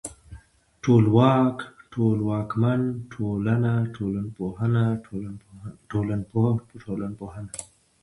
ټولواک ، ټولواکمن، ټولنه، ټولنپوه، ټولنپوهنه